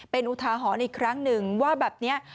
เป็นอุทาหรณ์อีกครั้งหนึ่งว่าแบบนี้